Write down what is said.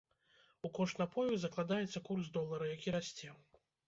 У кошт напою закладаецца курс долара, які расце.